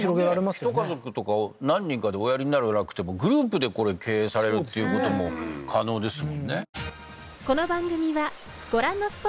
ひと家族とか何人かでおやりになるのではなくてグループでこれ経営されるっていうことも可能ですもんね